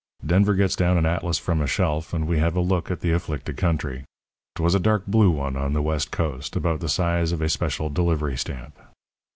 "Denver gets down an atlas from a shelf, and we have a look at the afflicted country. 'Twas a dark blue one, on the west coast, about the size of a special delivery stamp.